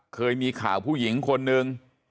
เคยมีข่าวผู้หญิงคนนึง